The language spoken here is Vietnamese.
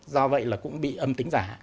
do vậy là cũng bị âm tính giả